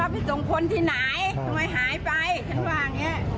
หัวฉันก็วิ่งเรื่องมันก็วิ่งตามไปยิง